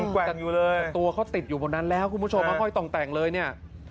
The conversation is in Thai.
แต่ตัวเขาติดอยู่บนนั้นแล้วคุณผู้ชมค่อยต่องแต่งเลยเนี่ย